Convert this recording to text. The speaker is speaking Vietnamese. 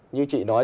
như chị nói